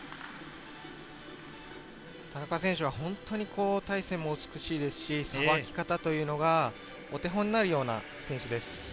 田中選手は本当に体勢も美しいですし、お手本になるような選手です。